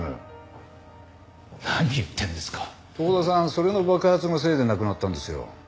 それの爆発のせいで亡くなったんですよ。